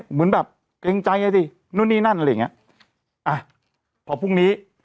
เหมือนแบบเกรงใจไงสินู่นนี่นั่นอะไรอย่างเงี้ยอ่ะพอพรุ่งนี้